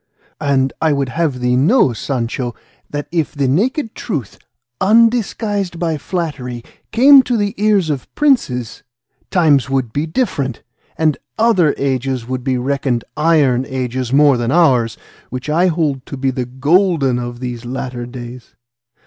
And I would have thee know, Sancho, that if the naked truth, undisguised by flattery, came to the ears of princes, times would be different, and other ages would be reckoned iron ages more than ours, which I hold to be the golden of these latter days.